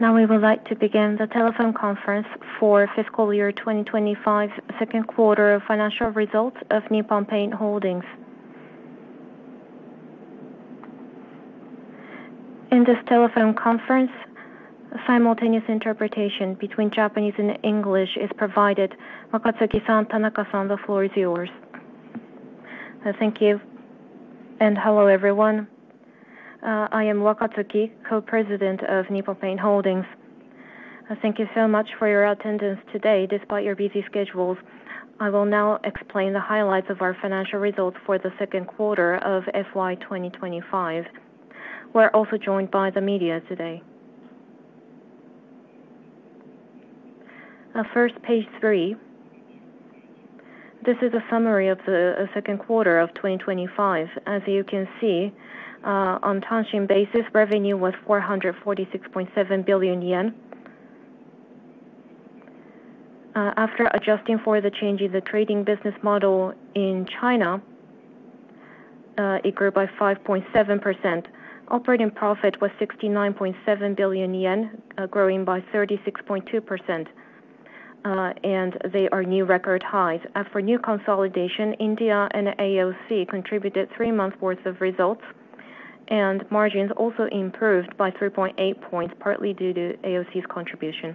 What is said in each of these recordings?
Now we would like to begin the telephone conference for fiscal year 2025, second quarter of financial results of Nippon Paint Holdings. In this telephone conference, a simultaneous interpretation between Japanese and English is provided. Wakatsuki-san, Tanaka-san, the floor is yours. Thank you. Hello, everyone. I am Wakatsuki, Co-President of Nippon Paint Holdings. Thank you so much for your attendance today despite your busy schedules. I will now explain the highlights of our financial results for the second quarter of FY 2025. We're also joined by the media today. First, page 3. This is a summary of the second quarter of 2025. As you can see, on the constant currency basis, revenue was JPY 446.7 billion. After adjusting for the change in the trading business model in China, it grew by 5.7%. Operating profit was 69.7 billion yen, growing by 36.2%. They are new record highs. For new consolidation, India and AOC contributed three months' worth of results, and margins also improved by 3.8 points, partly due to AOC's contribution.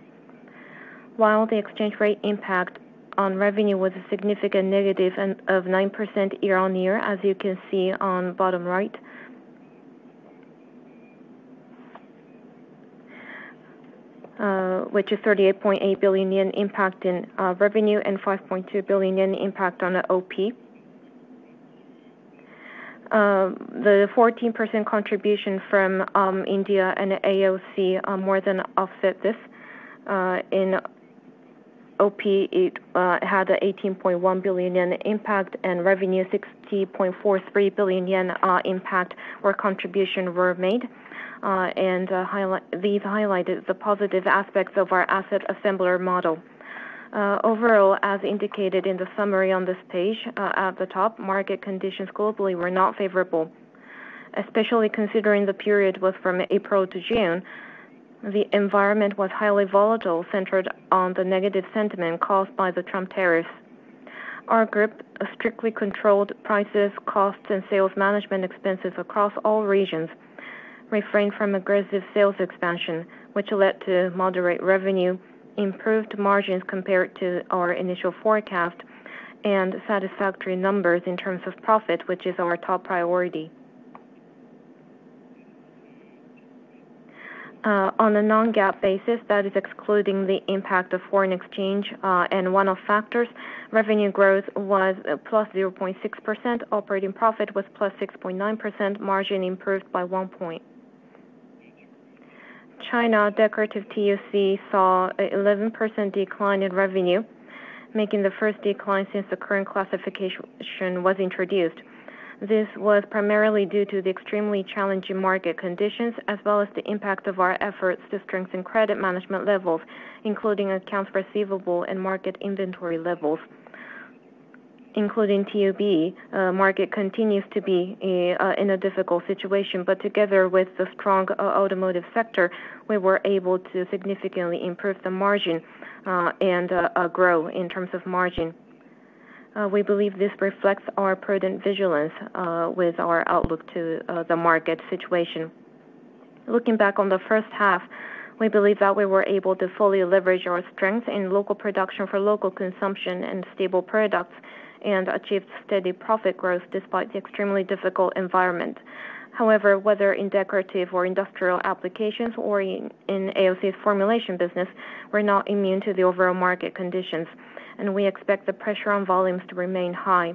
While the foreign exchange impact on revenue was a significant negative of 9% year-on-year, as you can see on the bottom right, which is a 38.8 billion yen impact in revenue and 5.2 billion yen impact on the operating profit. The 14% contribution from India and AOC more than offset this. In operating profit, it had a 18.1 billion yen impact, and revenue 60.43 billion yen impact where contributions were made. These highlighted the positive aspects of our asset assembler model. Overall, as indicated in the summary on this page at the top, market conditions globally were not favorable. Especially considering the period was from April to June, the environment was highly volatile, centered on the negative sentiment caused by the Trump tariffs. Our group strictly controlled prices, costs, and sales management expenses across all regions, refrained from aggressive sales expansion, which led to moderate revenue, improved margins compared to our initial forecast, and satisfactory numbers in terms of profit, which is our top priority. On a Non-GAAP basis, that is excluding the impact of foreign exchange and one-off factors, revenue growth was +0.6%, operating profit was +6.9%, margin improved by one point. China, decorative segment, saw an 11% decline in revenue, making the first decline since the current classification was introduced. This was primarily due to the extremely challenging market conditions, as well as the impact of our efforts to strengthen credit management levels, including accounts receivable and market inventory levels. Including TOB, the market continues to be in a difficult situation, but together with the strong automotive sector, we were able to significantly improve the margin and grow in terms of margin. We believe this reflects our prudent vigilance with our outlook to the market situation. Looking back on the first half, we believe that we were able to fully leverage our strengths in local production for local consumption and stable products and achieved steady profit growth despite the extremely difficult environment. However, whether in decorative or industrial applications or in AOC's formulation business, we're not immune to the overall market conditions, and we expect the pressure on volumes to remain high.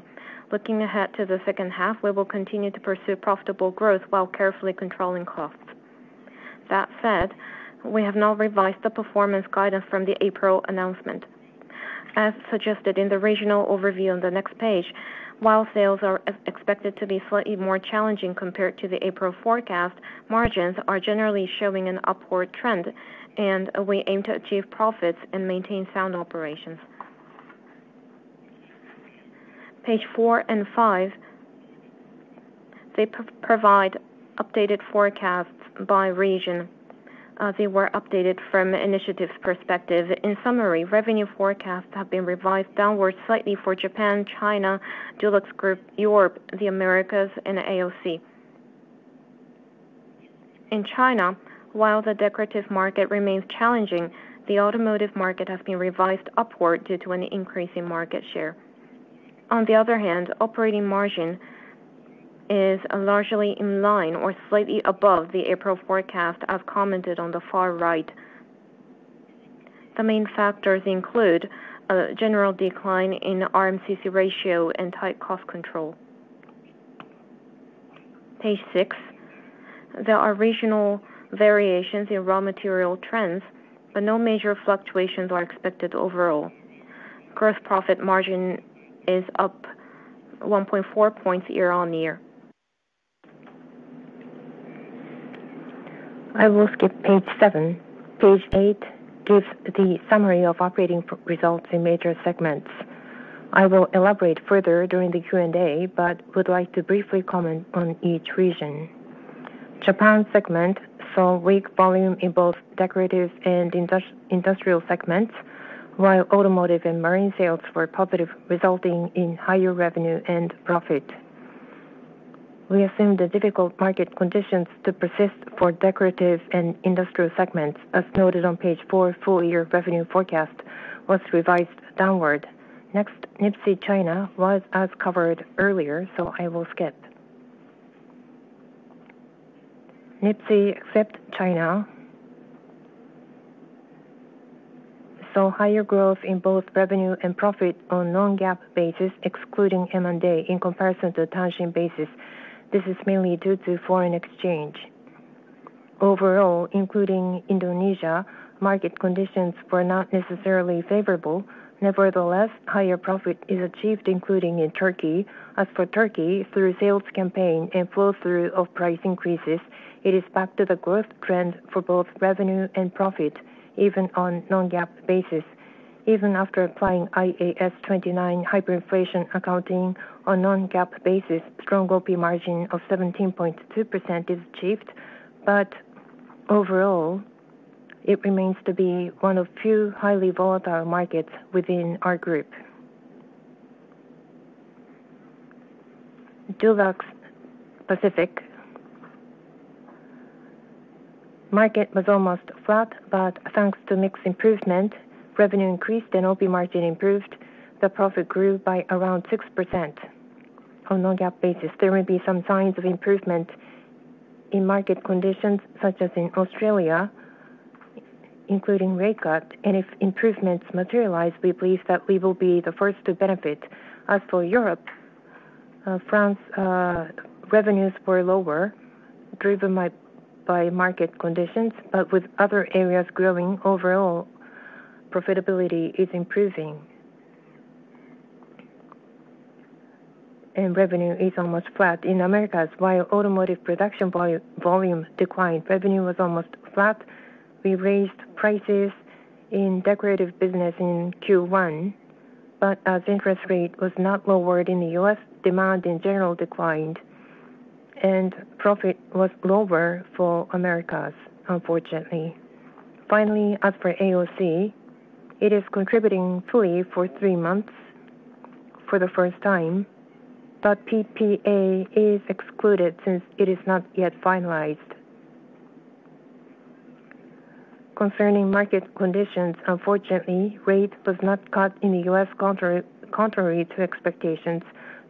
Looking ahead to the second half, we will continue to pursue profitable growth while carefully controlling costs. That said, we have now revised the performance guidance from the April announcement. As suggested in the regional overview on the next page, while sales are expected to be slightly more challenging compared to the April forecast, margins are generally showing an upward trend, and we aim to achieve profits and maintain sound operations. Page 4 and 5, they provide updated forecasts by region. They were updated from an initiative's perspective. In summary, revenue forecasts have been revised downward slightly for Japan, China, Dulux Group, Europe, the Americas, and AOC. In China, while the decorative market remains challenging, the automotive market has been revised upward due to an increase in market share. On the other hand, operating margin is largely in line or slightly above the April forecast as commented on the far right. The main factors include a general decline in RMCC ratio and tight cost control. Page 6, there are regional variations in raw material trends, but no major fluctuations are expected overall. Gross profit margin is up 1.4 points year-on-year. I will skip page 7. Page 8 gives the summary of operating results in major segments. I will elaborate further during the Q&A, but would like to briefly comment on each region. Japan segment saw weak volume in both decorative and industrial segments, while automotive and marine sales were positive, resulting in higher revenue and profit. We assume the difficult market conditions do persist for decorative and industrial segments, as noted on page 4, full-year revenue forecast was revised downward. Next, Nippon Paint China was as covered earlier, so I will skip. Nippon Paint SIPC China saw higher growth in both revenue and profit on a Non-GAAP basis, excluding M&A in comparison to the constant currency basis. This is mainly due to foreign exchange. Overall, including Indonesia, market conditions were not necessarily favorable. Nevertheless, higher profit is achieved, including in Turkey. As for Turkey, through sales campaign and flow-through of price increases, it is back to the growth trend for both revenue and profit, even on a Non-GAAP basis. Even after applying IAS 29 hyperinflation accounting on a Non-GAAP basis, strong OP margin of 17.2% is achieved, but overall, it remains to be one of the few highly volatile markets within our group. Dulux Pacific market was almost flat, but thanks to mix improvement, revenue increased and OP margin improved, the profit grew by around 6% on a Non-GAAP basis. There may be some signs of improvement in market conditions, such as in Australia, including rate cut, and if improvements materialize, we believe that we will be the first to benefit. As for Europe, France's revenues were lower, driven by market conditions, but with other areas growing, overall profitability is improving and revenue is almost flat. In the Americas, while automotive production volume declined, revenue was almost flat. We raised prices in the decorative business in Q1, but as the interest rate was not lowered in the U.S., demand in general declined and profit was lower for the Americas, unfortunately. Finally, as for AOC, it is contributing fully for three months for the first time, but PPA is excluded since it is not yet finalized. Concerning market conditions, unfortunately, rate was not cut in the U.S., contrary to expectations.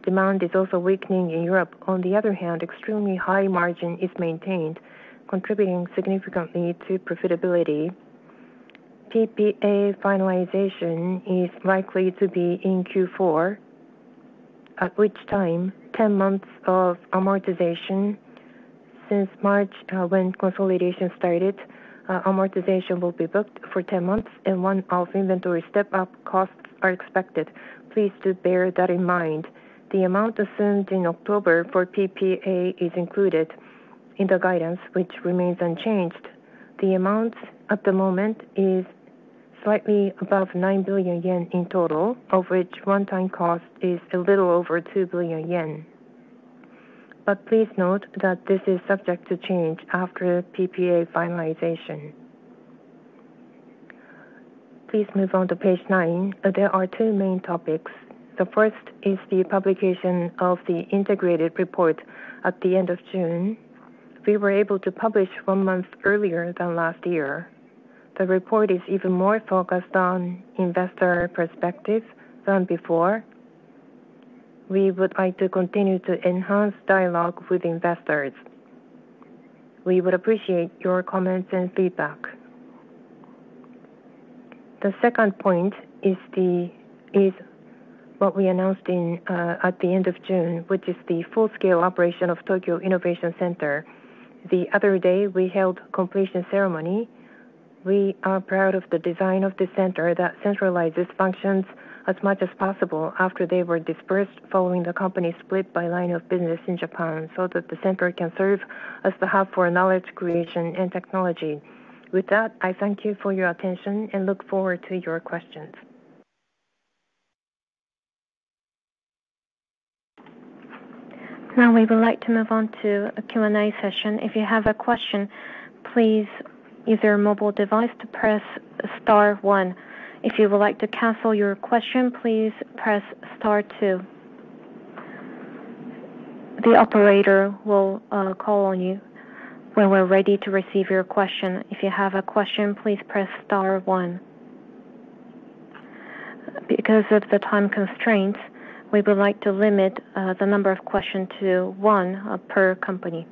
Demand is also weakening in Europe. On the other hand, extremely high margin is maintained, contributing significantly to profitability. PPA finalization is likely to be in Q4, at which time 10 months of amortization since March when consolidation started. Amortization will be booked for 10 months and one-off inventory step-up costs are expected. Please do bear that in mind. The amount assumed in October for PPA is included in the guidance, which remains unchanged. The amount at the moment is slightly above 9 billion yen in total, of which one-time cost is a little over 2 billion yen. Please note that this is subject to change after PPA finalization. Please move on to page 9. There are two main topics. The first is the publication of the integrated report at the end of June. We were able to publish one month earlier than last year. The report is even more focused on investor perspectives than before. We would like to continue to enhance dialogue with investors. We would appreciate your comments and feedback. The second point is what we announced at the end of June, which is the full-scale operation of Tokyo Innovation Center. The other day, we held the completion ceremony. We are proud of the design of the center that centralizes functions as much as possible after they were dispersed following the company's split by line of business in Japan so that the center can serve as the hub for knowledge creation and technology. With that, I thank you for your attention and look forward to your questions. Now we would like to move on to a Q&A session. If you have a question, please use your mobile device to press star one. If you would like to cancel your question, please press star two. The operator will call on you when we're ready to receive your question. If you have a question, please press star one. Because of the time constraints, we would like to limit the number of questions to one per company.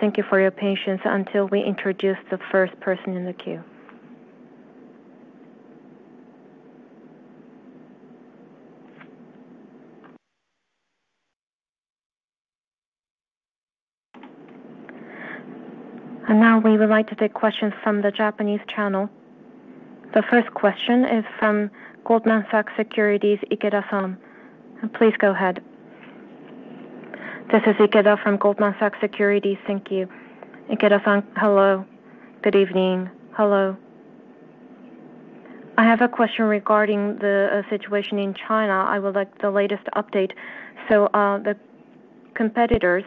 Thank you for your patience until we introduce the first person in the queue. Now we would like to take questions from the Japanese channel. The first question is from Goldman Sachs, Ikeda-san. Please go ahead. This is Ikeda from Goldman Sachs. Thank you. Ikeda-san, hello. Good evening. Hello. I have a question regarding the situation in China. I would like the latest update. The competitors,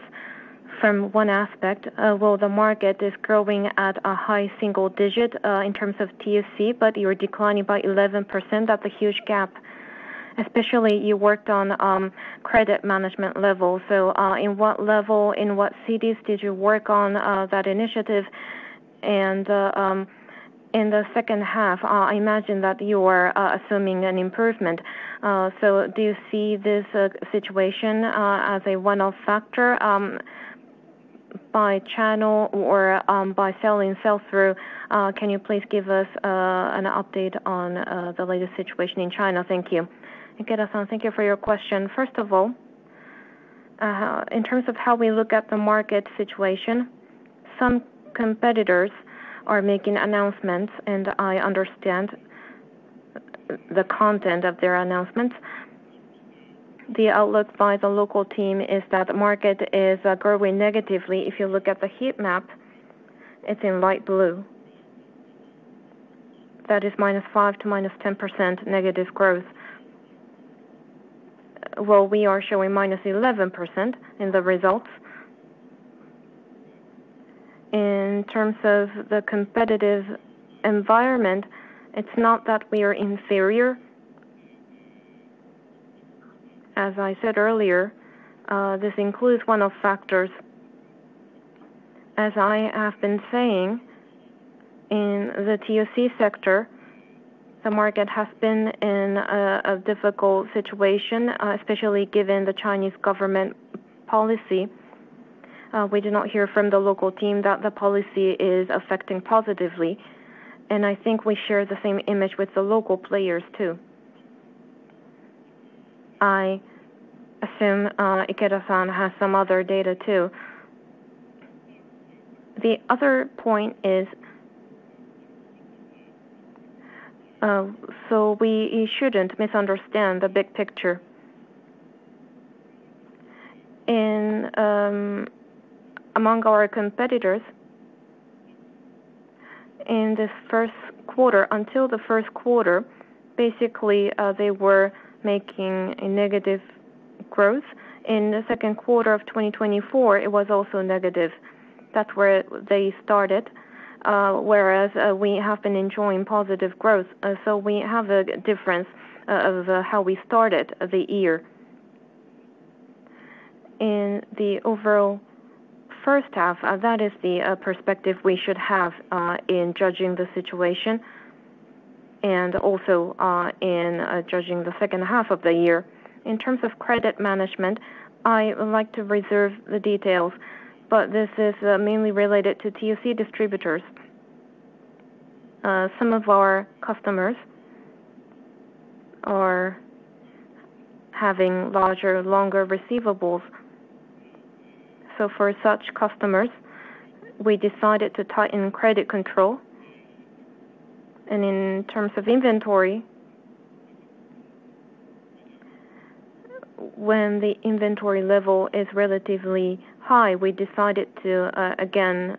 from one aspect, the market is growing at a high single digit in terms of TOC, but you're declining by 11%. That's a huge gap. Especially, you worked on credit management levels. In what level, in what cities did you work on that initiative? In the second half, I imagine that you are assuming an improvement. Do you see this situation as a one-off factor by channel or by selling sell-through? Can you please give us an update on the latest situation in China? Thank you. Ikeda-san, thank you for your question. First of all, in terms of how we look at the market situation, some competitors are making announcements, and I understand the content of their announcements. The outlook by the local team is that the market is growing negatively. If you look at the heat map, it's in light blue. That is -5% to -10% negative growth. We are showing -11% in the results. In terms of the competitive environment, it's not that we are inferior. As I said earlier, this includes one-off factors. As I have been saying, in the TOC sector, the market has been in a difficult situation, especially given the Chinese government policy. We do not hear from the local team that the policy is affecting positively. I think we share the same image with the local players, too. I assume Ikeda-san has some other data, too. The other point is, we shouldn't misunderstand the big picture. Among our competitors, in this first quarter, until the first quarter, basically, they were making a negative growth. In the second quarter of 2024, it was also negative. That's where they started, whereas we have been enjoying positive growth. We have a difference of how we started the year. In the overall first half, that is the perspective we should have in judging the situation and also in judging the second half of the year. In terms of credit management, I would like to reserve the details, but this is mainly related to TOC distributors. Some of our customers are having larger, longer receivables. For such customers, we decided to tighten credit control. In terms of inventory, when the inventory level is relatively high, we decided to, again,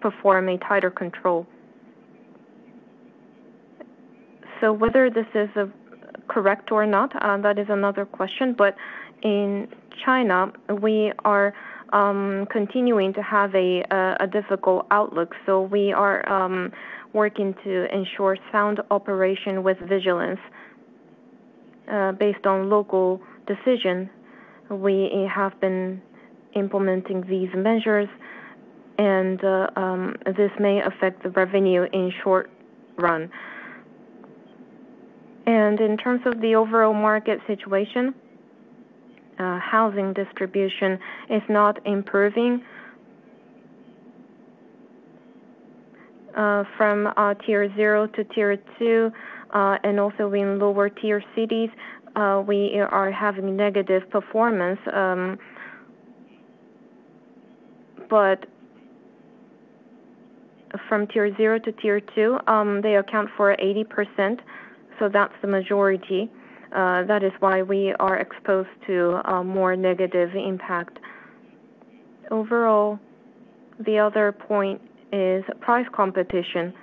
perform a tighter control. Whether this is correct or not, that is another question. In China, we are continuing to have a difficult outlook. We are working to ensure sound operation with vigilance. Based on local decisions, we have been implementing these measures, and this may affect the revenue in the short run. In terms of the overall market situation, housing distribution is not improving. From tier zero to tier two, and also in lower-tier cities, we are having negative performance. From tier zero to tier two, they account for 80%. That's the majority. That is why we are exposed to more negative impact. Overall, the other point is price competition.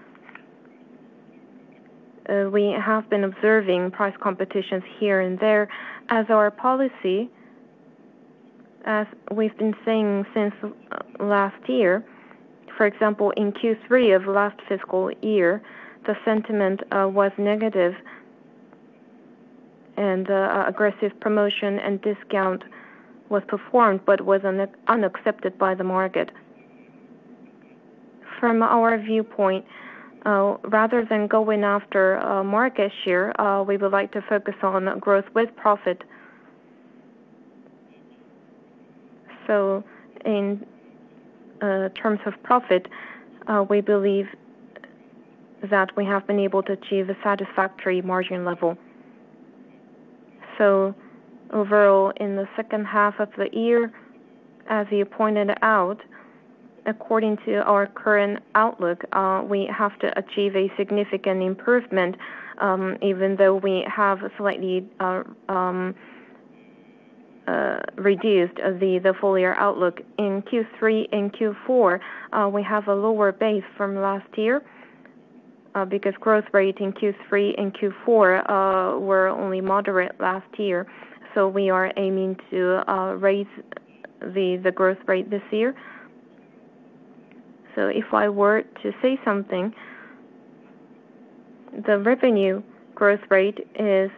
We have been observing price competitions here and there. As our policy, as we've been saying since last year, for example, in Q3 of last fiscal year, the sentiment was negative, and aggressive promotion and discount was performed but was unaccepted by the market. From our viewpoint, rather than going after market share, we would like to focus on growth with profit. In terms of profit, we believe that we have been able to achieve a satisfactory margin level. Overall, in the second half of the year, as you pointed out, according to our current outlook, we have to achieve a significant improvement, even though we have slightly reduced the full-year outlook. In Q3 and Q4, we have a lower base from last year because growth rates in Q3 and Q4 were only moderate last year. We are aiming to raise the growth rate this year. If I were to say something, the revenue growth rate is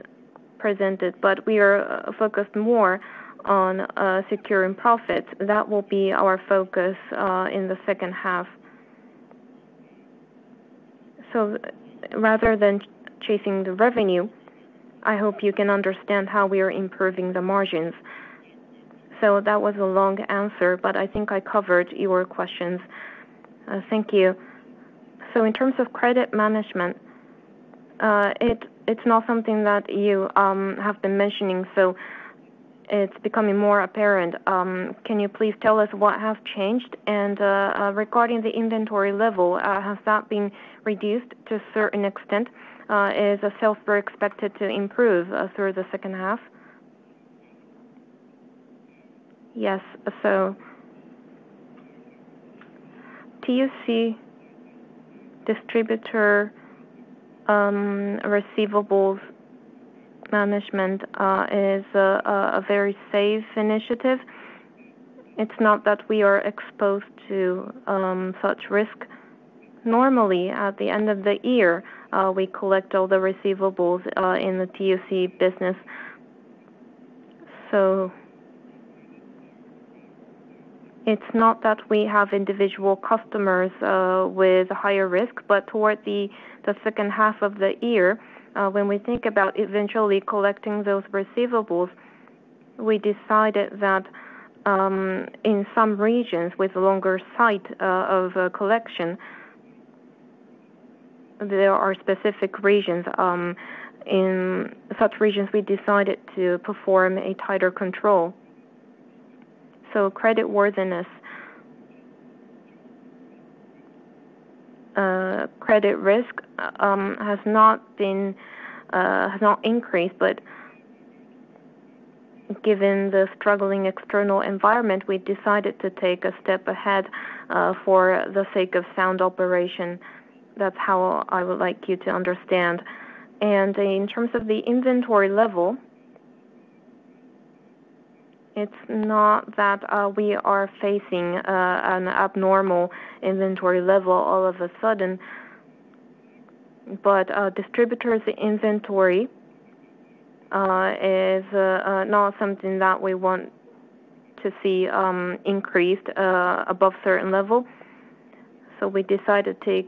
presented, but we are focused more on securing profits. That will be our focus in the second half. Rather than chasing the revenue, I hope you can understand how we are improving the margins. That was a long answer, but I think I covered your questions. Thank you. In terms of credit management, it's not something that you have been mentioning, so it's becoming more apparent. Can you please tell us what has changed? Regarding the inventory level, has that been reduced to a certain extent? Is the sell-through expected to improve through the second half? Yes. TOC distributor receivables management is a very safe initiative. It's not that we are exposed to such risk. Normally, at the end of the year, we collect all the receivables in the TOC business. It's not that we have individual customers with higher risk, but toward the second half of the year, when we think about eventually collecting those receivables, we decided that in some regions with a longer site of collection, there are specific regions. In such regions, we decided to perform a tighter control. Credit worthiness, credit risk has not increased, but given the struggling external environment, we decided to take a step ahead for the sake of sound operation. That's how I would like you to understand. In terms of the inventory level, it's not that we are facing an abnormal inventory level all of a sudden, but distributors' inventory is not something that we want to see increased above a certain level. We decided to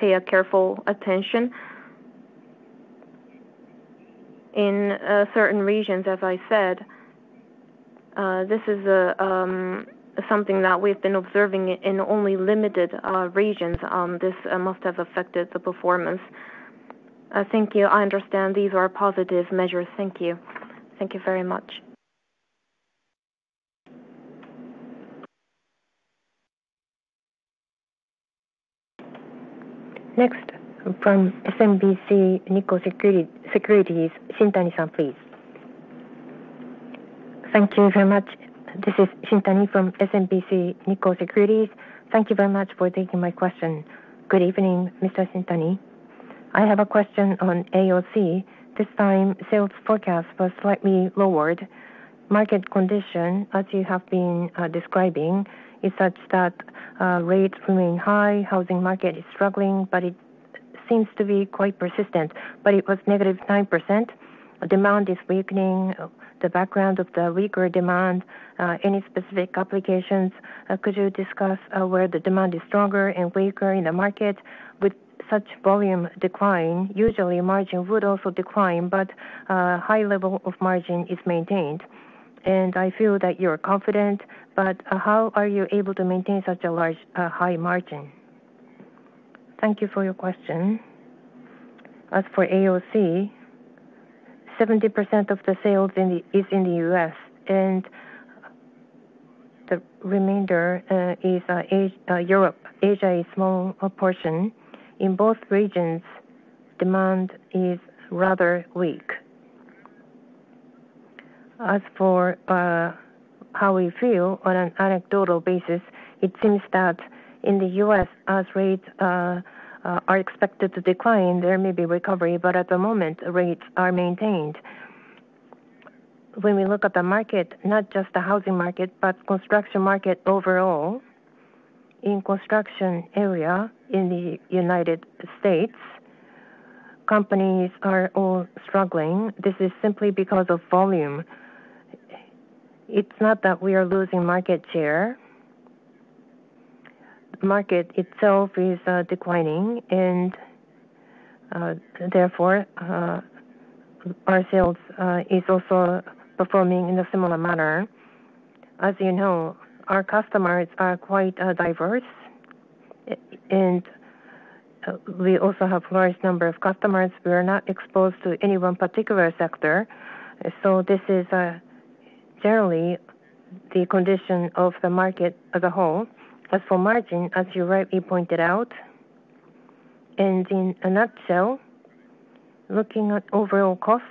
pay careful attention. In certain regions, as I said, this is something that we've been observing in only limited regions. This must have affected the performance. Thank you. I understand these are positive measures. Thank you. Thank you very much. Next, from SMBC Nikko Securities. Shintani-san, please. Thank you very much. This is Shintani from SMBC Nikko Securities. Thank you very much for taking my question. Good evening, Mr. Shintani. I have a question on AOC. This time, sales forecasts were slightly lowered. Market condition, as you have been describing, is such that rates remain high, housing market is struggling, but it seems to be quite persistent. It was -9%. Demand is weakening. The background of the weaker demand, any specific applications? Could you discuss where the demand is stronger and weaker in the market? With such volume decline, usually margin would also decline, but a high level of margin is maintained. I feel that you are confident, but how are you able to maintain such a large high margin? Thank you for your question. As for AOC, 70% of the sales is in the U.S., and the remainder is Europe. Asia is a small portion. In both regions, demand is rather weak. As for how we feel on an anecdotal basis, it seems that in the U.S., as rates are expected to decline, there may be recovery, but at the moment, rates are maintained. When we look at the market, not just the housing market, but the construction market overall, in the construction area in the United States, companies are all struggling. This is simply because of volume. It's not that we are losing market share. The market itself is declining, and therefore, our sales are also performing in a similar manner. As you know, our customers are quite diverse, and we also have a large number of customers. We are not exposed to any one particular sector. This is generally the condition of the market as a whole. As for margin, as you rightly pointed out, and in a nutshell, looking at overall cost,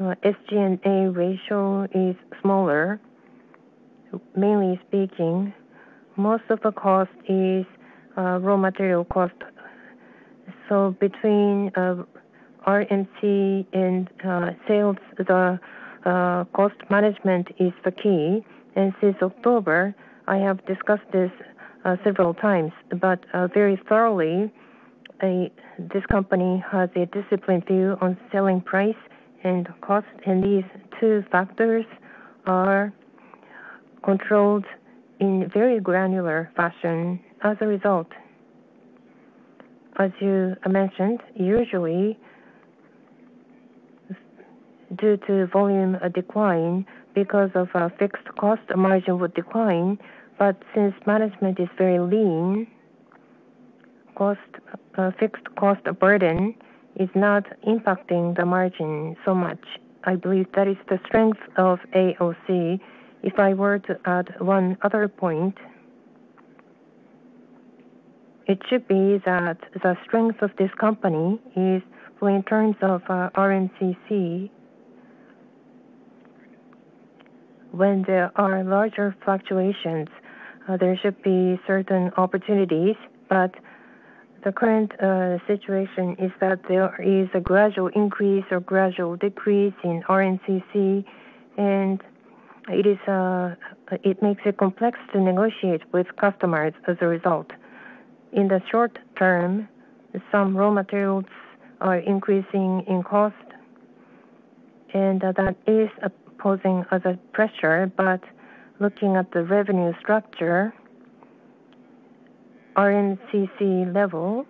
SG&A ratio is smaller. Mainly speaking, most of the cost is raw material cost. Between RMC and sales, the cost management is the key. Since October, I have discussed this several times, but very thoroughly, this company has a disciplined view on selling price and cost, and these two factors are controlled in a very granular fashion as a result. As you mentioned, usually, due to volume decline, because of a fixed cost, the margin would decline. Since management is very lean, fixed cost burden is not impacting the margin so much. I believe that is the strength of AOC. If I were to add one other point, it should be that the strength of this company is, in terms of RMCC, when there are larger fluctuations, there should be certain opportunities. The current situation is that there is a gradual increase or gradual decrease in RMCC, and it makes it complex to negotiate with customers as a result. In the short term, some raw materials are increasing in cost, and that is posing other pressure. Looking at the revenue structure, RMCC level,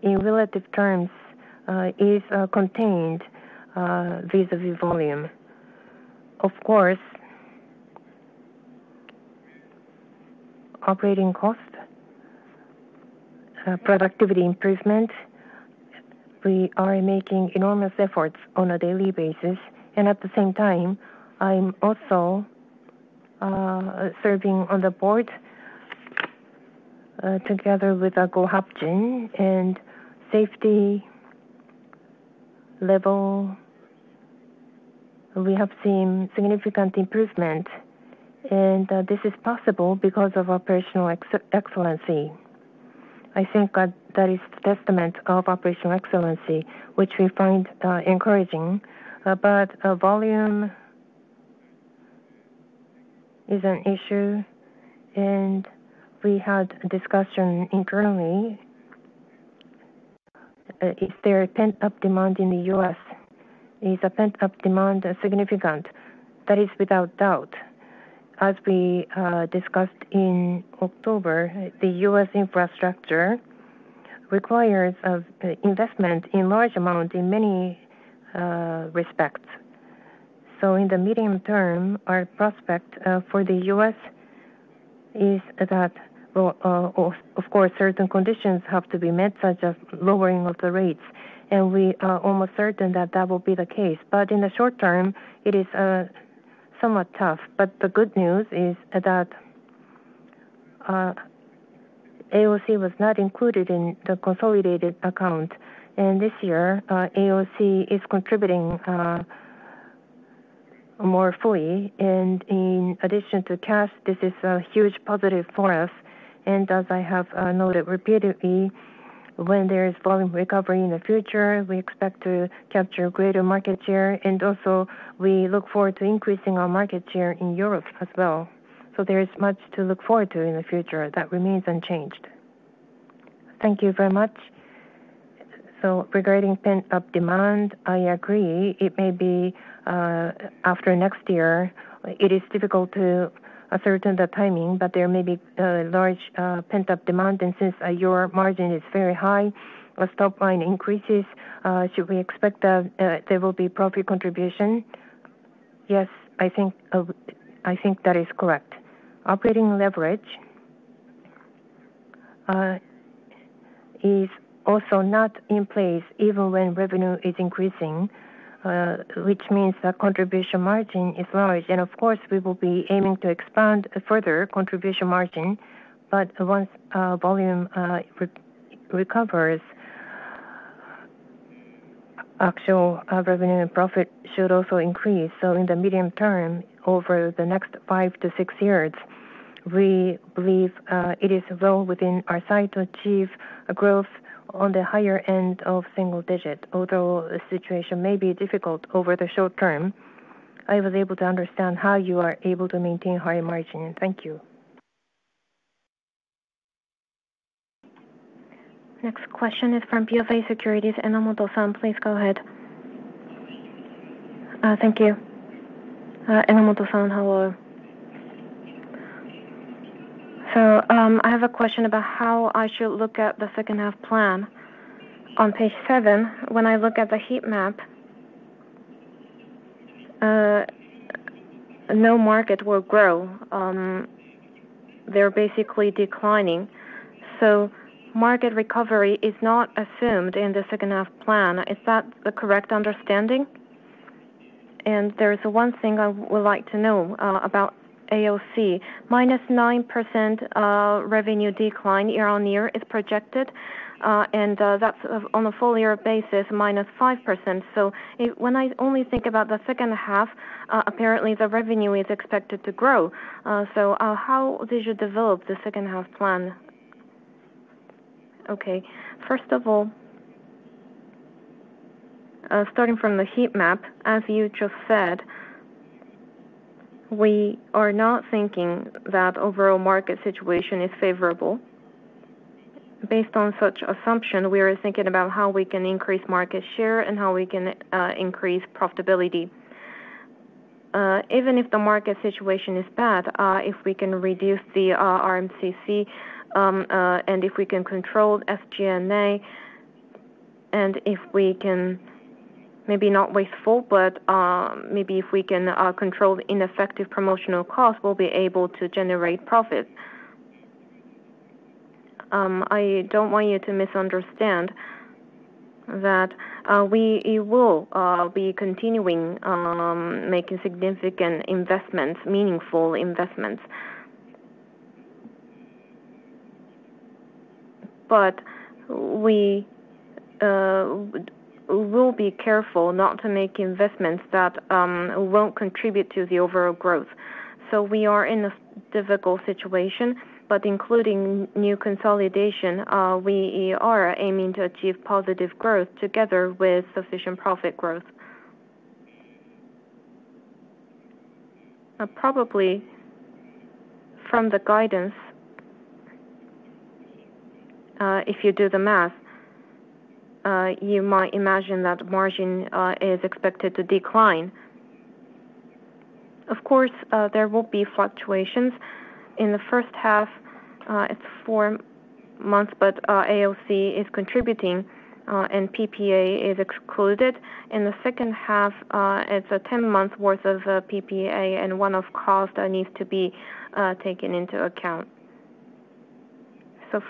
in relative terms, is contained vis-à-vis volume. Of course, operating cost, productivity improvement, we are making enormous efforts on a daily basis. At the same time, I'm also serving on the board together with Gohapjin, and safety level, we have seen significant improvement. This is possible because of operational excellency. I think that that is a testament of operational excellency, which we find encouraging. Volume is an issue, and we had a discussion internally. Is there pent-up demand in the U.S.? Is the pent-up demand significant? That is without doubt. As we discussed in October, the U.S. infrastructure requires investment in large amounts in many respects. In the medium term, our prospect for the U.S. is that, of course, certain conditions have to be met, such as lowering of the rates. We are almost certain that that will be the case. In the short term, it is somewhat tough. The good news is that AOC was not included in the consolidated account. This year, AOC is contributing more fully. In addition to cash, this is a huge positive for us. As I have noted repeatedly, when there is volume recovery in the future, we expect to capture greater market share. We look forward to increasing our market share in Europe as well. There is much to look forward to in the future that remains unchanged. Thank you very much. Regarding pent-up demand, I agree. It may be after next year. It is difficult to ascertain the timing, but there may be a large pent-up demand. Since your margin is very high, the top line increases, should we expect that there will be profit contribution? Yes, I think that is correct. Operating leverage is also not in place even when revenue is increasing, which means that contribution margin is large. Of course, we will be aiming to expand further contribution margin. Once volume recovers, actual revenue and profit should also increase. In the medium term, over the next five to six years, we believe it is well within our sight to achieve a growth on the higher end of single digit. Although the situation may be difficult over the short term, I was able to understand how you are able to maintain high margin. Thank you. Next question is from BofA Securities. Emma Motosani, please go ahead. Thank you. Emma Motosani, hello. I have a question about how I should look at the second-half plan. On page 7, when I look at the heat map, no market will grow. They're basically declining. Market recovery is not assumed in the second-half plan. Is that the correct understanding? There is one thing I would like to know about AOC. -9% revenue decline year-on-year is projected. That's on a full-year basis, -5%. When I only think about the second half, apparently, the revenue is expected to grow. How did you develop the second-half plan? Okay. First of all, starting from the heat map, as you just said, we are not thinking that overall market situation is favorable. Based on such assumption, we are thinking about how we can increase market share and how we can increase profitability. Even if the market situation is bad, if we can reduce the RMCC, and if we can control SG&A, and if we can maybe not wasteful, but maybe if we can control the ineffective promotional cost, we'll be able to generate profit. I don't want you to misunderstand that we will be continuing making significant investments, meaningful investments. We will be careful not to make investments that won't contribute to the overall growth. We are in a difficult situation, but including new consolidation, we are aiming to achieve positive growth together with sufficient profit growth. Probably from the guidance, if you do the math, you might imagine that margin is expected to decline. Of course, there will be fluctuations. In the first half, it's four months, but AOC is contributing and PPA is excluded. In the second half, it's a 10-month worth of PPA and one-off cost that needs to be taken into account.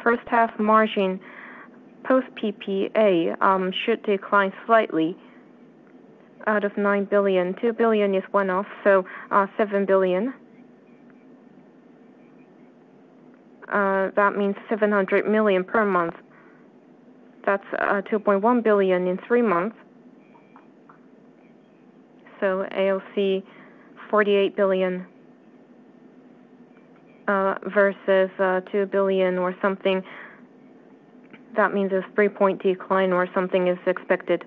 First half margin post-PPA should decline slightly. Out of 9 billion, 2 billion is one-off, so 7 billion. That means 700 million per month. That's 2.1 billion in three months. AOC, 48 billion versus 2 billion or something. That means a three-point decline or something is expected.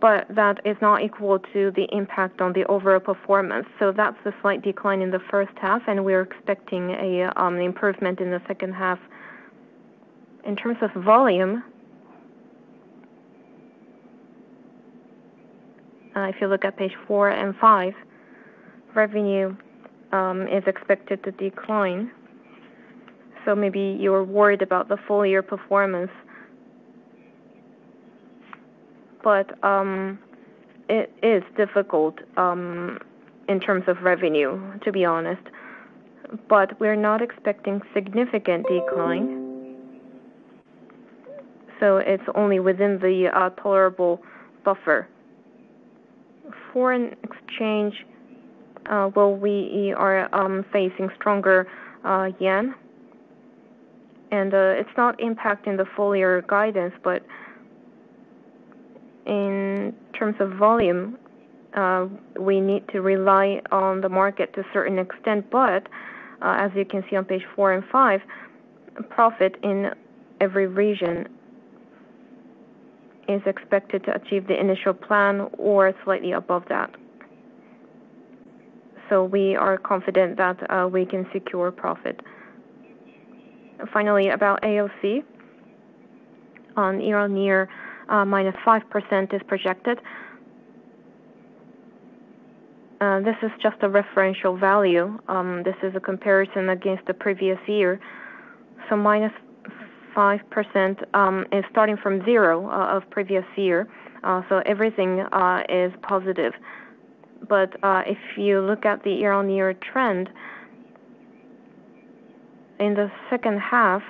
That is not equal to the impact on the overall performance. That's the slight decline in the first half, and we are expecting an improvement in the second half. In terms of volume, if you look at page 4 and 5, revenue is expected to decline. Maybe you are worried about the full-year performance. It is difficult in terms of revenue, to be honest. We are not expecting significant decline. It's only within the tolerable buffer. Foreign exchange, we are facing stronger yen. It's not impacting the full-year guidance, but in terms of volume, we need to rely on the market to a certain extent. As you can see on page 4 and 5, profit in every region is expected to achieve the initial plan or slightly above that. We are confident that we can secure profit. Finally, about AOC, on year-on-year, -5% is projected. This is just a referential value. This is a comparison against the previous year. -5% is starting from zero of the previous year. Everything is positive. If you look at the year-on-year trend, in the second half,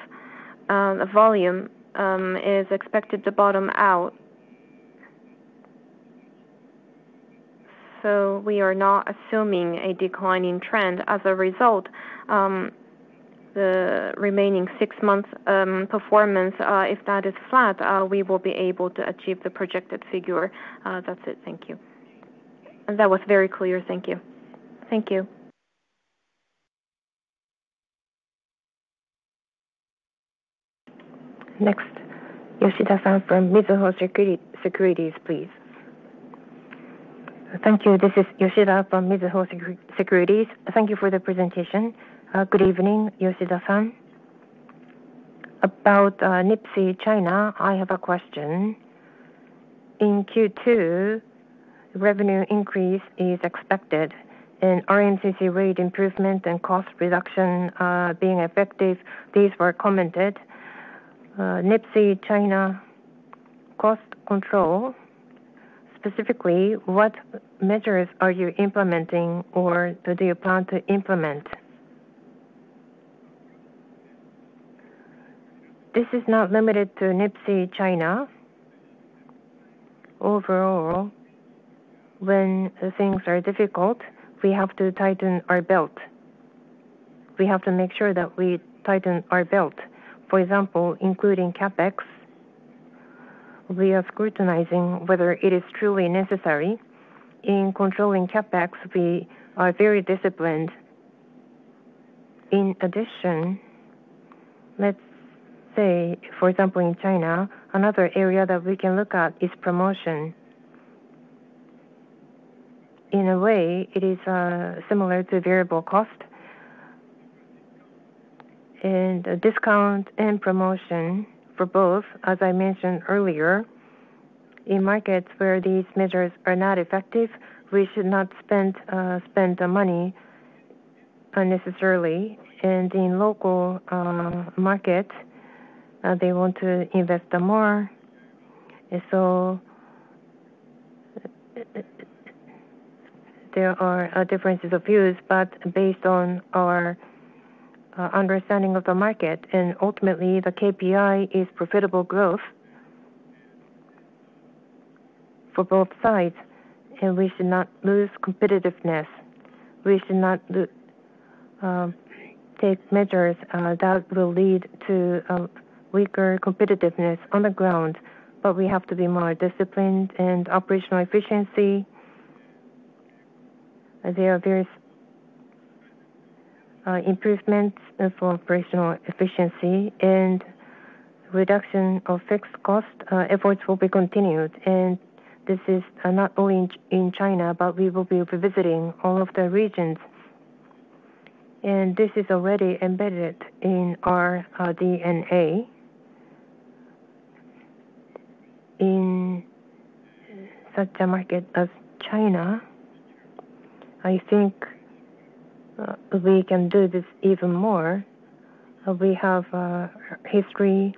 volume is expected to bottom out. We are not assuming a declining trend. As a result, the remaining six months' performance, if that is flat, we will be able to achieve the projected figure. That's it. Thank you. That was very clear. Thank you. Thank you. Next, Yoshida-san from Mizuho Securities, please. Thank you. This is Yoshida from Mizuho Securities. Thank you for the presentation. Good evening, Yoshida-san. About Nippon Paint China, I have a question. In Q2, revenue increase is expected, and RMCC rate improvement and cost reduction are being effective. These were commented. Nippon Paint China cost control, specifically, what measures are you implementing or do you plan to implement? This is not limited to Nippon Paint China. Overall, when things are difficult, we have to tighten our belt. We have to make sure that we tighten our belt. For example, including CapEx. We are scrutinizing whether it is truly necessary. In controlling CapEx, we are very disciplined. In addition, for example, in China, another area that we can look at is promotion. In a way, it is similar to variable cost. Discount and promotion for both, as I mentioned earlier, in markets where these measures are not effective, we should not spend the money unnecessarily. In local markets, they want to invest more. There are differences of views, but based on our understanding of the market, and ultimately, the KPI is profitable growth for both sides, and we should not lose competitiveness. We should not take measures that will lead to weaker competitiveness on the ground. We have to be more disciplined, and operational efficiency, there are various improvements for operational efficiency and reduction of fixed cost efforts will be continued. This is not only in China, we will be revisiting all of the regions. This is already embedded in our DNA. In such a market as China, I think we can do this even more. We have a history,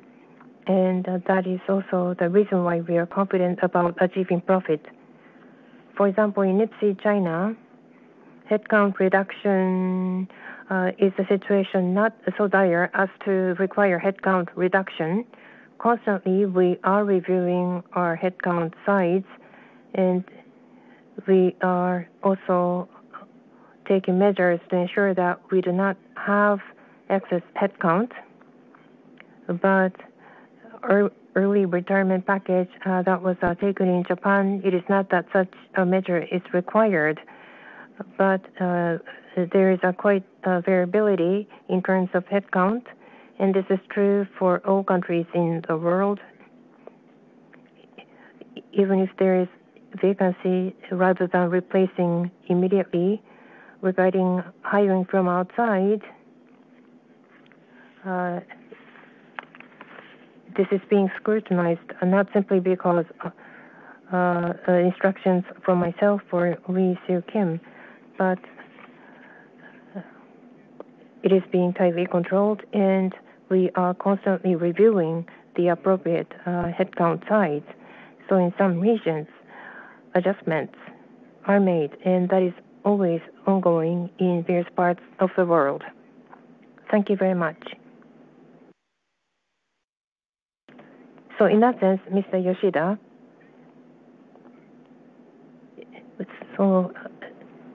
and that is also the reason why we are confident about achieving profit. For example, in Nippon Paint China, headcount reduction is a situation not so dire as to require headcount reduction. Constantly, we are reviewing our headcount size, and we are also taking measures to ensure that we do not have excess headcount. Early retirement package that was taken in Japan, it is not that such a measure is required. There is quite a variability in terms of headcount, and this is true for all countries in the world. Even if there is vacancy, rather than replacing immediately, regarding hiring from outside, this is being scrutinized, not simply because of instructions from myself or Lee Seok Kim, but it is being tightly controlled, and we are constantly reviewing the appropriate headcount size. In some regions, adjustments are made, and that is always ongoing in various parts of the world. Thank you very much. In that sense, Mr. Yoshida,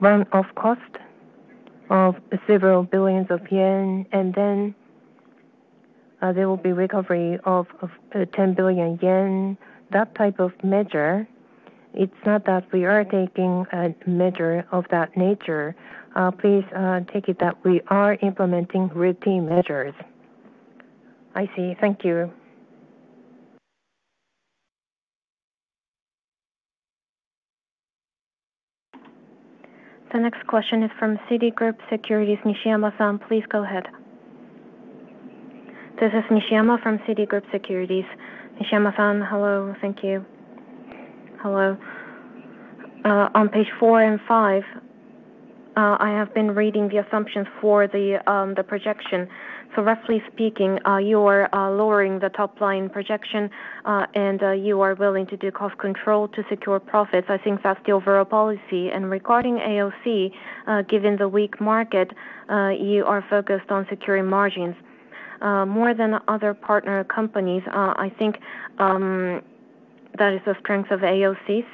one-off cost of several billions of yen, and then there will be recovery of 10 billion yen, that type of measure, it's not that we are taking a measure of that nature. Please take it that we are implementing routine measures. I see. Thank you. The next question is from Citigroup Securities. Nishiyama-san, please go ahead. This is Nishiyama from Citigroup Securities. Nishiyama-san, hello. Thank you. Hello. On page 4 and 5, I have been reading the assumptions for the projection. Roughly speaking, you are lowering the top line projection, and you are willing to do cost control to secure profits. I think that's the overall policy. Regarding AOC, given the weak market, you are focused on securing margins more than other partner companies. I think that is the strength of AOC.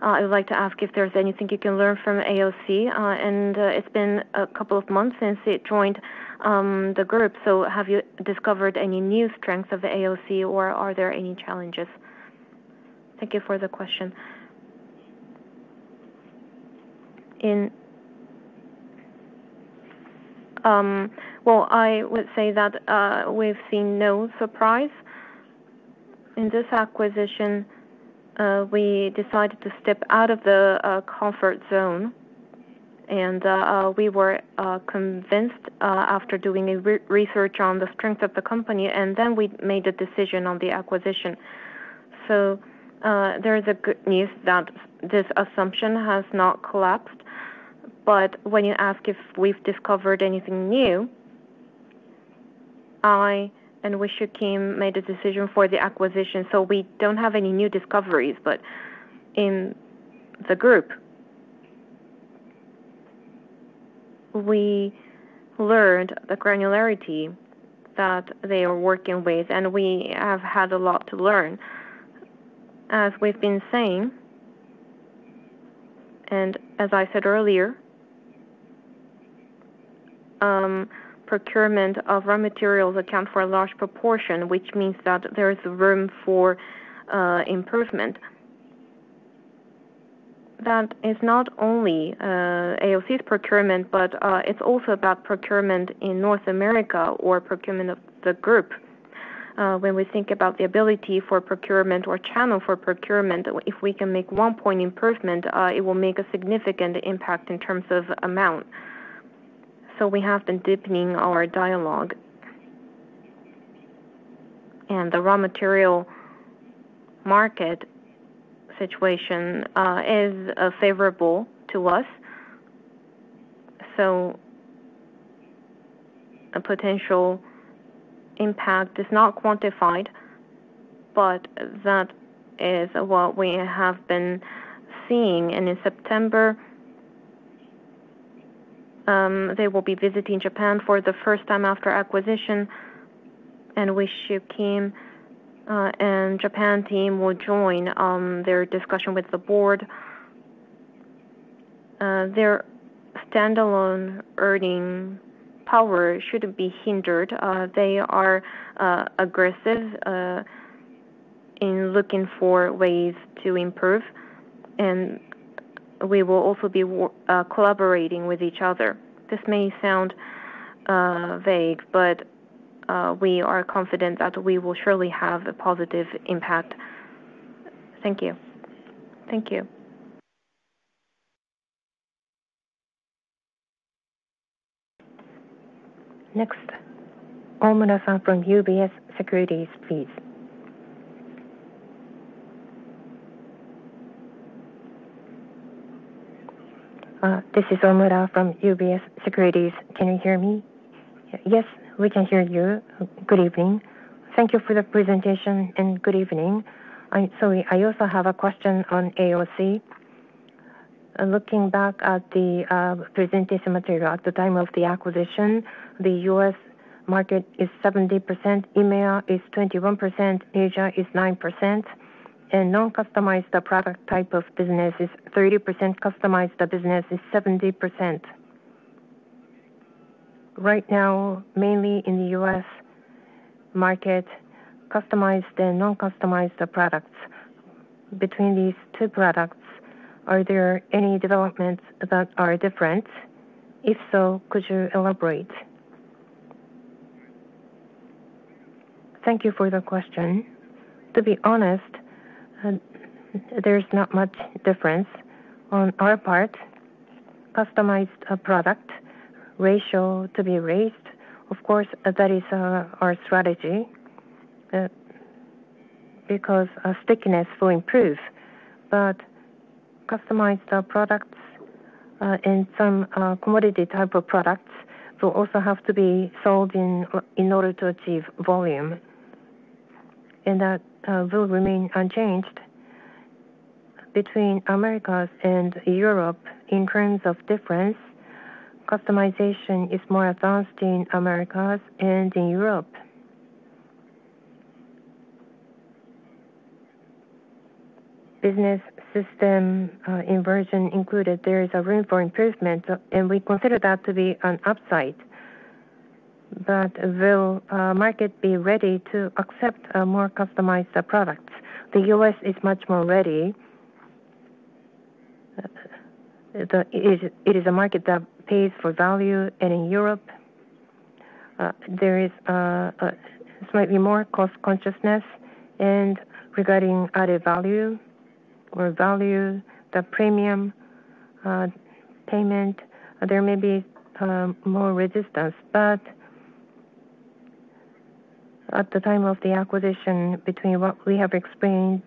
I would like to ask if there's anything you can learn from AOC. It's been a couple of months since it joined the group. Have you discovered any new strengths of the AOC, or are there any challenges? Thank you for the question. I would say that we've seen no surprise. In this acquisition, we decided to step out of the comfort zone. We were convinced after doing research on the strengths of the company, and then we made a decision on the acquisition. There is good news that this assumption has not collapsed. When you ask if we've discovered anything new, I and Mr. Kim made a decision for the acquisition. We don't have any new discoveries. In the group, we learned the granularity that they are working with, and we have had a lot to learn. As we've been saying, and as I said earlier, procurement of raw materials accounts for a large proportion, which means that there is room for improvement. That is not only AOC's procurement, but it's also about procurement in North America or procurement of the group. When we think about the ability for procurement or channel for procurement, if we can make one point improvement, it will make a significant impact in terms of amount. We have been deepening our dialogue. The raw material market situation is favorable to us. A potential impact is not quantified, but that is what we have been seeing. In September, they will be visiting Japan for the first time after acquisition. Mr. Kim and the Japan team will join their discussion with the board. Their standalone earning power shouldn't be hindered. They are aggressive in looking for ways to improve. We will also be collaborating with each other. This may sound vague, but we are confident that we will surely have a positive impact. Thank you. Thank you. Next, Omura-san from UBS Securities, please. This is Omura from UBS Securities. Can you hear me? Yes, we can hear you. Good evening. Thank you for the presentation and good evening. I'm sorry. I also have a question on AOC. Looking back at the presentation material at the time of the acquisition, the U.S. market is 70%, EMEA is 21%, Asia is 9%, and non-customized product type of business is 30%. Customized business is 70%. Right now, mainly in the U.S. market, customized and non-customized products. Between these two products, are there any developments that are different? If so, could you elaborate? Thank you for the question. To be honest, there's not much difference on our part. Customized product ratio to be raised. Of course, that is our strategy because stickiness will improve. Customized products and some commodity type of products will also have to be sold in order to achieve volume, and that will remain unchanged. Between the U.S. and Europe, in terms of difference, customization is more advanced in the U.S. and in Europe. Business system inversion included, there is room for improvement, and we consider that to be an upside. Will the market be ready to accept more customized products? The U.S. is much more ready. It is a market that pays for value. In Europe, there is slightly more cost consciousness. Regarding added value or value, the premium payment, there may be more resistance. At the time of the acquisition, between what we have explained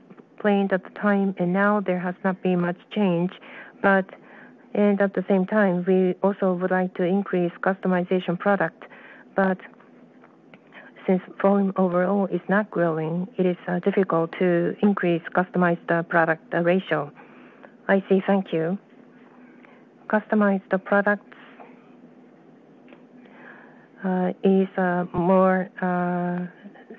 at the time and now, there has not been much change. At the same time, we also would like to increase customization product. Since volume overall is not growing, it is difficult to increase customized product ratio. I see. Thank you. Customized products are more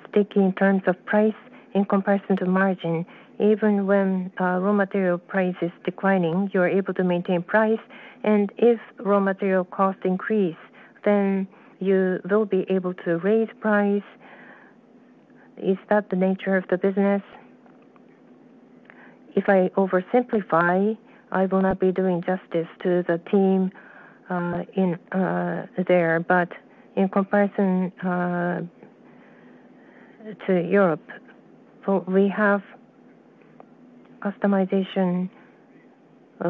sticky in terms of price in comparison to margin. Even when raw material price is declining, you are able to maintain price. If raw material cost increases, then you will be able to raise price. Is that the nature of the business? If I oversimplify, I will not be doing justice to the team there. In comparison to Europe, we have a customization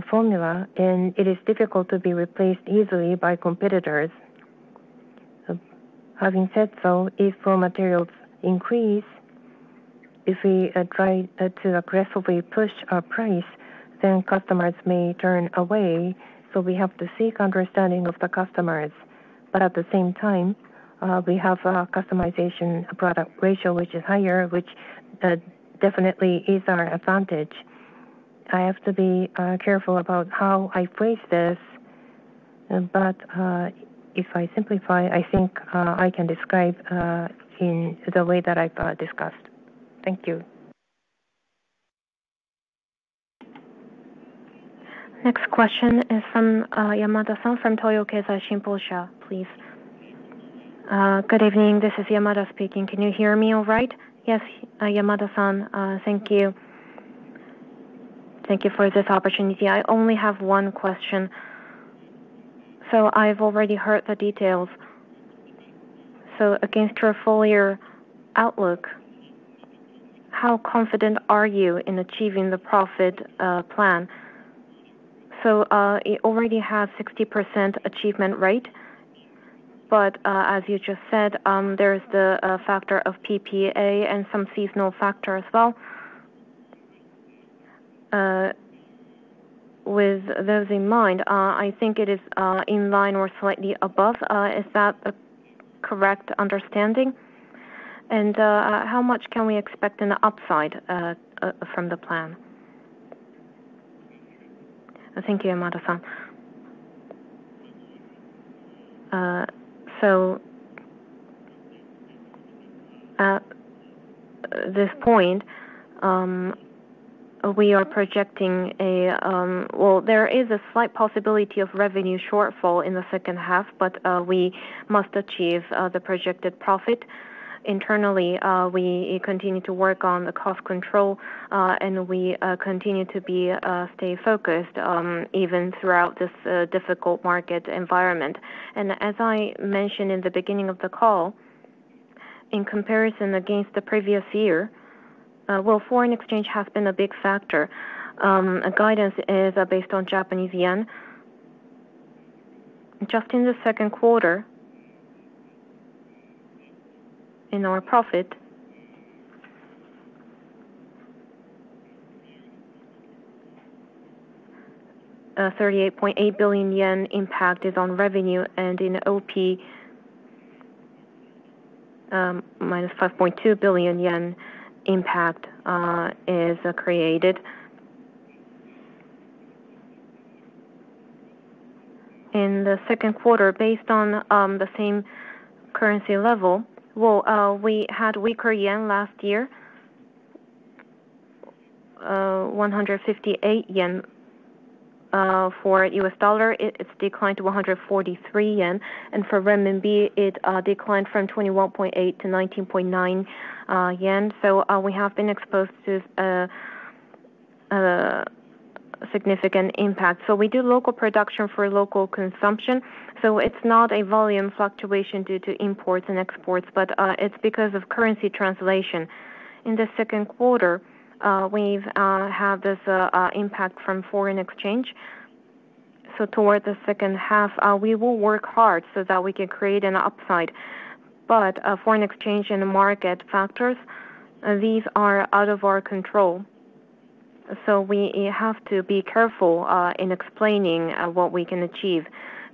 formula, and it is difficult to be replaced easily by competitors. Having said so, if raw materials increase, if we try to aggressively push our price, then customers may turn away. We have to seek understanding of the customers. At the same time, we have a customization product ratio, which is higher, which definitely is our advantage. I have to be careful about how I phrase this. If I simplify, I think I can describe in the way that I've discussed. Thank you. Next question is from Yamada-san from Toyo Keizai, please. Good evening. This is Yamada speaking. Can you hear me all right? Yes, Yamada-san. Thank you. Thank you for this opportunity. I only have one question. I've already heard the details. Against your full-year outlook, how confident are you in achieving the profit plan? It already has 60% achievement rate. As you just said, there is the factor of PPA and some seasonal factor as well. With those in mind, I think it is in line or slightly above. Is that the correct understanding? How much can we expect in the upside from the plan? Thank you, Yamada-san. At this point, we are projecting a slight possibility of revenue shortfall in the second half, but we must achieve the projected profit. Internally, we continue to work on cost control, and we continue to stay focused even throughout this difficult market environment. As I mentioned in the beginning of the call, in comparison against the previous year, foreign exchange has been a big factor. Guidance is based on Japanese yen. In the second quarter in our profit, 38.8 billion yen impact is on revenue, and in operating profit, JPY -5.2 billion impact is created. In the second quarter, based on the same currency level, we had weaker yen last year, JPY 158 for U.S. dollar. It has declined to 143 yen. For renminbi, it declined from 21.8 to 19.9 yen. We have been exposed to a significant impact. We do local production for local consumption. It is not a volume fluctuation due to imports and exports, but it is because of currency translation. In the second quarter, we've had this impact from foreign exchange. Toward the second half, we will work hard so that we can create an upside. Foreign exchange and market factors are out of our control. We have to be careful in explaining what we can achieve.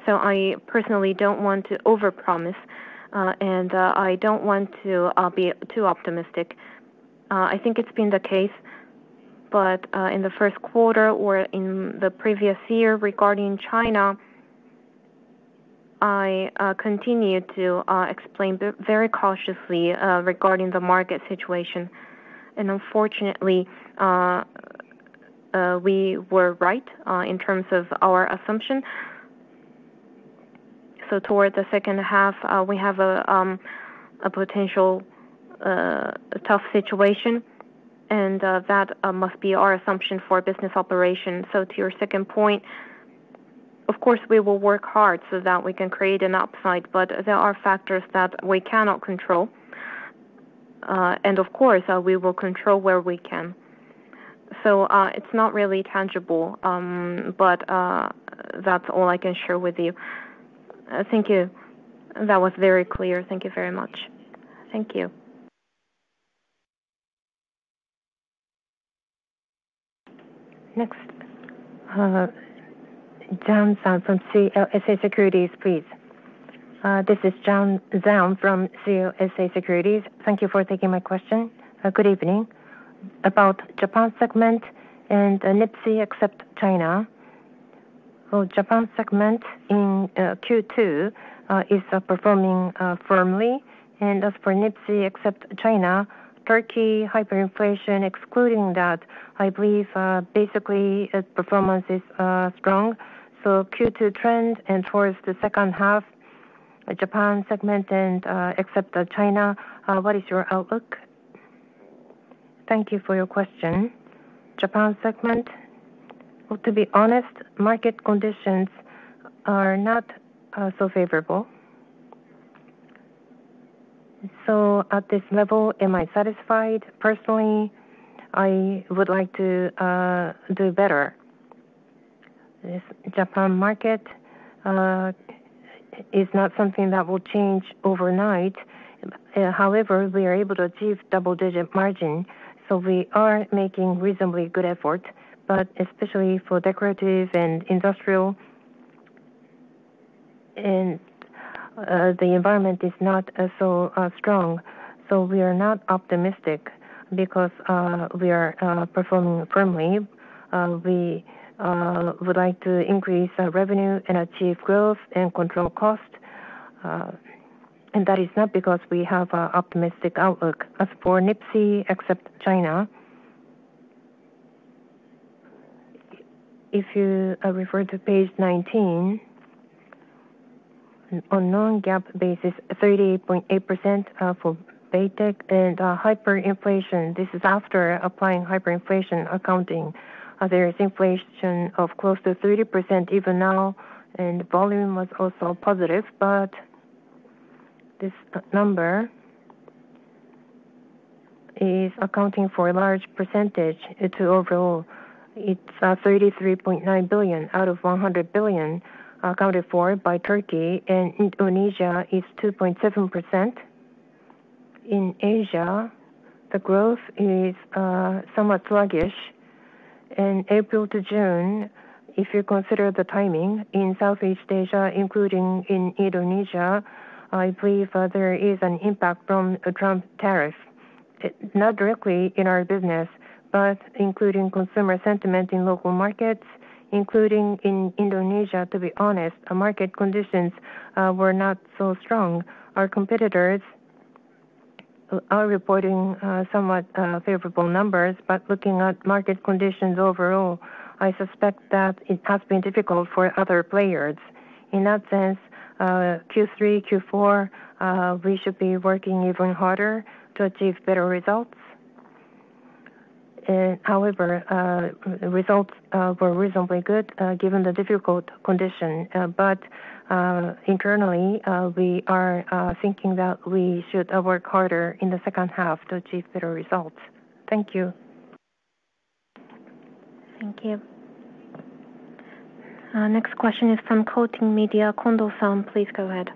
I personally don't want to overpromise, and I don't want to be too optimistic. I think it's been the case. In the first quarter or in the previous year regarding China, I continued to explain very cautiously regarding the market situation. Unfortunately, we were right in terms of our assumption. Toward the second half, we have a potential tough situation, and that must be our assumption for business operations. To your second point, of course, we will work hard so that we can create an upside, but there are factors that we cannot control. Of course, we will control where we can. It is not really tangible, but that's all I can share with you. Thank you. That was very clear. Thank you very much. Thank you. Next, Zhang-san from CLSA Securities, please. This is Zhang from CLSA Securities. Thank you for taking my question. Good evening. About Japan segment and Nippon except China. Japan segment in Q2 is performing firmly. As for Nippon except China, Turkey hyperinflation excluding that, I believe basically performance is strong. Q2 trend and towards the second half, Japan segment and except China, what is your outlook? Thank you for your question. Japan segment, to be honest, market conditions are not so favorable. At this level, am I satisfied? Personally, I would like to do better. This Japan market is not something that will change overnight. However, we are able to achieve double-digit margin. We are making reasonably good efforts, but especially for decorative and industrial, and the environment is not so strong. We are not optimistic because we are performing firmly. We would like to increase our revenue and achieve growth and control cost. That is not because we have an optimistic outlook. As for Nippon Paint Holdings except China, if you refer to page 19, on Non-GAAP basis, 38.8% for Baytech and hyperinflation. This is after applying hyperinflation accounting. There is inflation of close to 30% even now, and volume was also positive. This number is accounting for a large percentage to overall. It's 33.9 billion out of 100 billion accounted for by Turkey, and Indonesia is 2.7%. In Asia, the growth is somewhat sluggish. April to June, if you consider the timing in Southeast Asia, including in Indonesia, I believe there is an impact from Trump tariffs. Not directly in our business, but including consumer sentiment in local markets, including in Indonesia, to be honest, market conditions were not so strong. Our competitors are reporting somewhat favorable numbers, but looking at market conditions overall, I suspect that it has been difficult for other players. In that sense, Q3, Q4, we should be working even harder to achieve better results. However, the results were reasonably good given the difficult condition. Internally, we are thinking that we should work harder in the second half to achieve better results. Thank you. Thank you. Next question is from [Koding Media]. Kondo-san, please go ahead.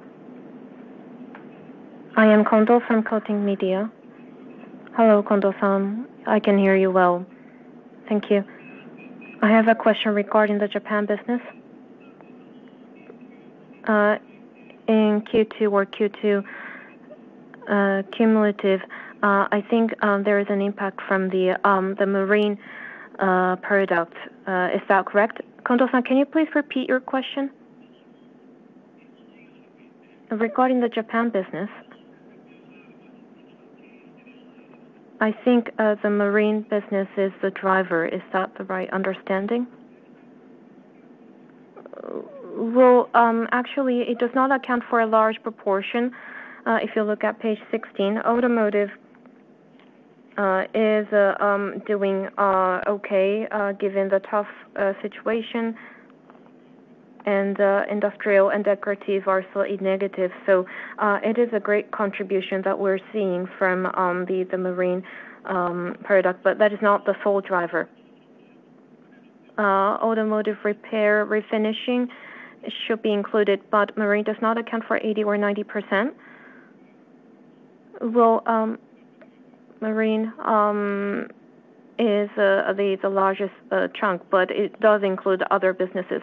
I am Kondo from Koding Media. Hello, Kondo-san. I can hear you well. Thank you. I have a question regarding the Japan business. In Q2 or Q2 cumulative, I think there is an impact from the marine product. Is that correct? Kondo-san, can you please repeat your question? Regarding the Japan business, I think the marine business is the driver. Is that the right understanding? Actually, it does not account for a large proportion. If you look at page 16, automotive is doing okay given the tough situation, and industrial and decorative are slightly negative. It is a great contribution that we're seeing from the marine product, but that is not the sole driver. Automotive repair, refinishing should be included, but marine does not account for 80% or 90%. Marine is the largest chunk, but it does include other businesses.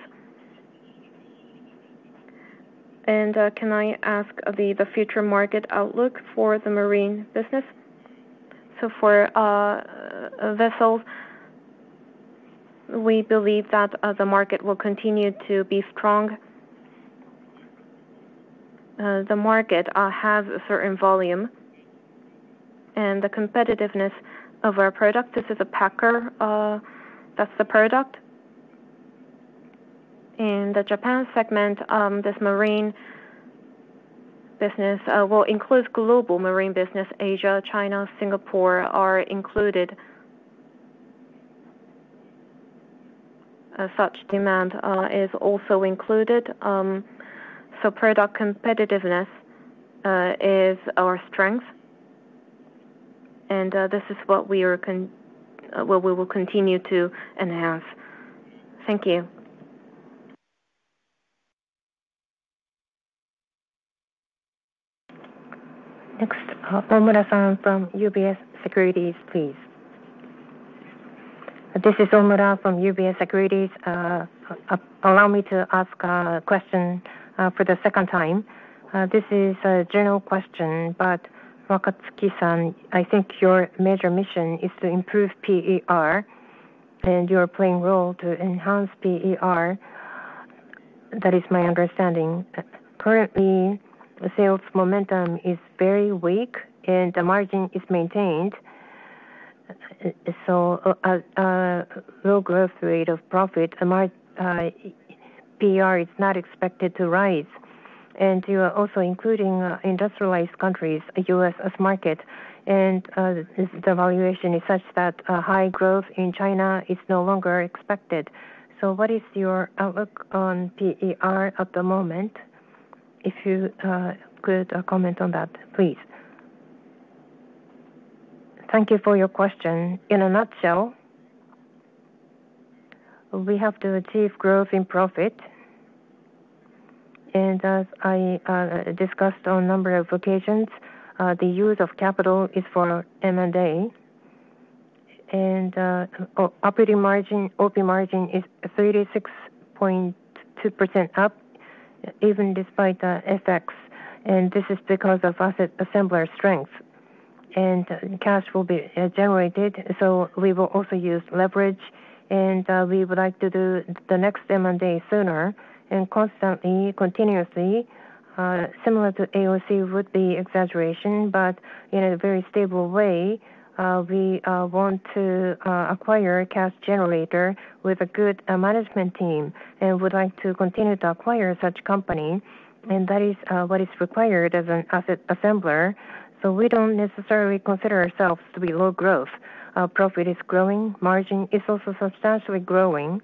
Can I ask the future market outlook for the marine business? For vessels, we believe that the market will continue to be strong. The market has a certain volume and the competitiveness of our product. This is a packer. That's the product. In the Japan segment, this marine business will include global marine business. Asia, China, Singapore are included. Such demand is also included. Product competitiveness is our strength, and this is what we will continue to enhance. Thank you. Next, Omura-san from UBS Securities, please. This is Omura from UBS Securities. Allow me to ask a question for the second time. This is a general question, but Wakatsuki-san, I think your major mission is to improve PER, and you are playing a role to enhance PER. That is my understanding. Currently, the sales momentum is very weak, and the margin is maintained. A low growth rate of profit, PER is not expected to rise. You are also including industrialized countries, U.S. as a market. The valuation is such that high growth in China is no longer expected. What is your outlook on PER at the moment? If you could comment on that, please. Thank you for your question. In a nutshell, we have to achieve growth in profit. As I discussed on a number of occasions, the use of capital is for M&A. Operating margin, OP margin is 36.2% up, even despite the FX. This is because of asset assembler strength. Cash will be generated, so we will also use leverage. We would like to do the next M&A sooner and constantly, continuously. Similar to AOC would be an exaggeration, but in a very stable way, we want to acquire a cash generator with a good management team and would like to continue to acquire such company. That is what is required as an asset assembler. We don't necessarily consider ourselves to be low growth. Profit is growing. Margin is also substantially growing.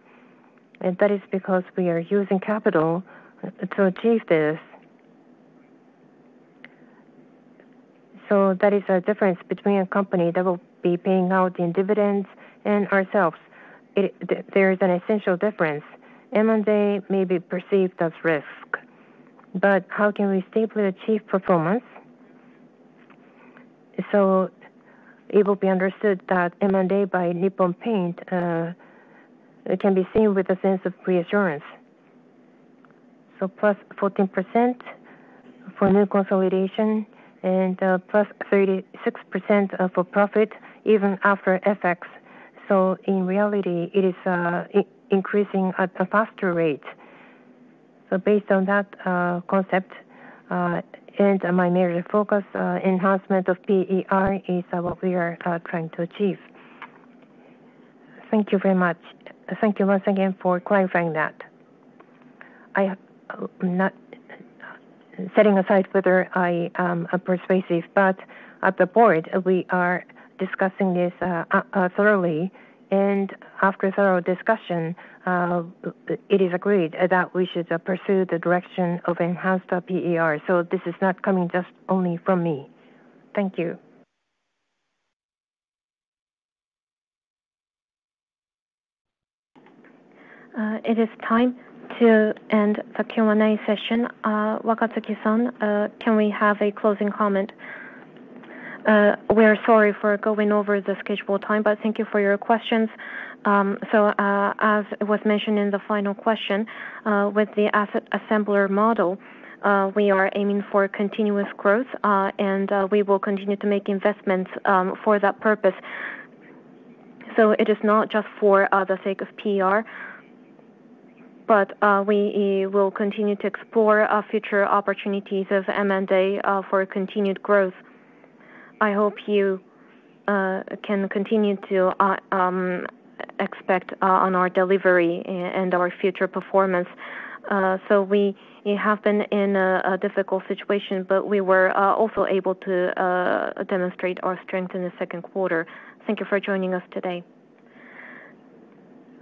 That is because we are using capital to achieve this. That is a difference between a company that will be paying out in dividends and ourselves. There is an essential difference. M&A may be perceived as risk. How can we safely achieve performance? It will be understood that M&A by Nippon Paint can be seen with a sense of reassurance. + 14% for new consolidation and +36% for profit, even after FX. In reality, it is increasing at a faster rate. Based on that concept and my major focus, enhancement of PER is what we are trying to achieve. Thank you very much. Thank you once again for clarifying that. I'm not setting aside whether I am persuasive, but at the board, we are discussing this thoroughly. After a thorough discussion, it is agreed that we should pursue the direction of enhanced PER. This is not coming just only from me. Thank you. It is time to end the Q&A session. Wakatsuki-san, can we have a closing comment? We are sorry for going over the scheduled time, but thank you for your questions. As was mentioned in the final question, with the asset assembler model, we are aiming for continuous growth and. We will continue to make investments for that purpose. It is not just for the sake of PR, but we will continue to explore future opportunities of M&A for continued growth. I hope you can continue to expect on our delivery and our future performance. We have been in a difficult situation, but we were also able to demonstrate our strength in the second quarter. Thank you for joining us today.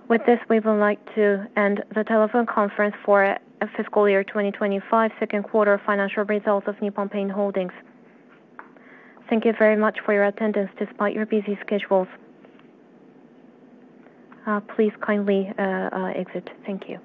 With this, we would like to end the telephone conference for Fiscal Year 2025 Second Quarter Financial Results of Nippon Paint Holdings. Thank you very much for your attendance despite your busy schedules. Please kindly exit. Thank you.